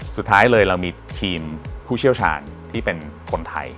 สุดท้ายเลยเรามีทีมผู้เชี่ยวชาญที่เป็นคนไทย